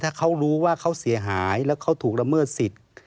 ถ้าเขารู้ว่าเขาเสียหายแล้วเขาถูกละเมิดสิทธิ์